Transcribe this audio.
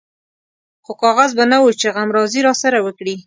خو کاغذ به نه و چې غمرازي راسره وکړي.